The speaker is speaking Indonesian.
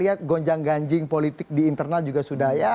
ya kita lihat gonjang ganjing politik di internal juga sudah terkenal